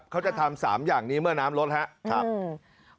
เขาจะทำ๓อย่างนี้เมื่อน้ำลดครับ